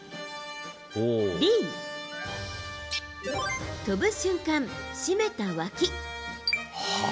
Ｂ、跳ぶ瞬間締めたわき。